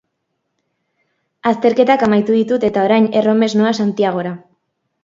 Azterketak amaitu ditut eta orain erromes noa Santiagora.